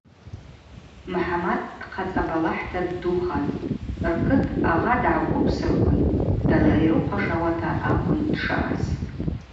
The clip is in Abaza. Мхӏамат дхъацӏа балахӏта ддухатӏ, ркыт агъа дгӏагвыквсырквын далайрыхъвашауата акӏвын дшаъаз.